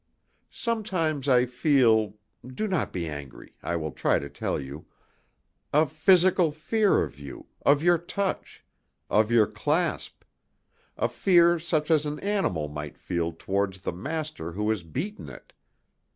Sometimes I feel do not be angry, I will try to tell you a physical fear of you, of your touch, of your clasp, a fear such as an animal might feel towards the master who had beaten it.